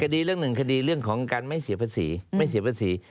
คดีเรื่องหนึ่งคดีเรื่องของการไม่เสียภาษี